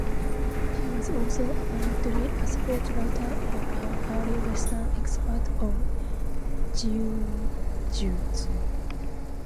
He was also apparently a sports writer and an early Western expert on Jiu-Jitsu.